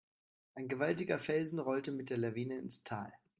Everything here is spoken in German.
Ein gewaltiger Felsen rollte mit der Lawine ins Tal.